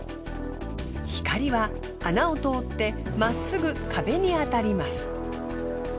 光は穴を通ってまっすぐ壁に当たります。